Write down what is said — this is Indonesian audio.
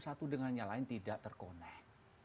satu dengan yang lain tidak terkonek